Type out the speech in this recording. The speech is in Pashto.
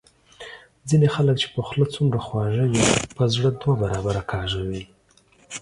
ځینی خلګ چي په خوله څومره خواږه وي په زړه دوه برابره کاږه وي